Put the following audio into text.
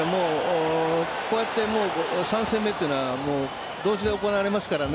こうやって３戦目というのは同時に行われますからね